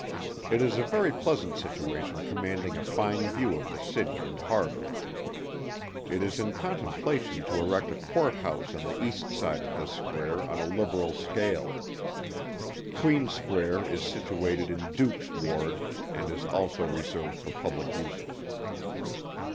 It is a very pleasant situation commanding a fine view of the city and harbour. It is in contemplation to erect a Court House on the East side of this square on a liberal scale. Queen's square is situated in Duke's Ward, and is also reserved for public uses.